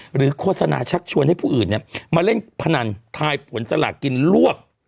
โฆษณาชักชวนให้ผู้อื่นมาเล่นพนันทายผลสลากกินลวก